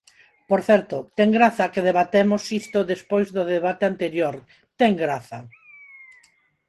Por certo, ten graza que debatemos isto despois do debate anterior, ¡ten graza!